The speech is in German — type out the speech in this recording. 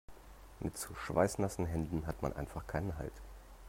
Mit so schweißnassen Händen hat man einfach keinen Halt.